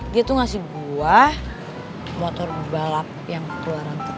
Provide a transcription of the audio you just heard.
dia tuh ngasih gue motor balap yang keluaran terbaru